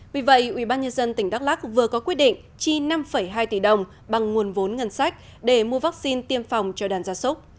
vì vậy ubnd tỉnh đắk lắc vừa có quyết định chi năm hai tỷ đồng bằng nguồn vốn ngân sách để mua vaccine tiêm phòng cho đàn gia súc